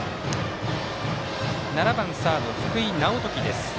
７番サード、福井直睦です。